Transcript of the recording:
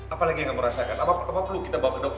apa lagi yang kamu rasakan apa perlu kita bawa ke dokter